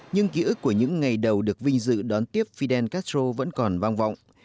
nhưng ký ức của những ngày đầu được vinh dự đón tiếp fidel castro vẫn còn vang vọng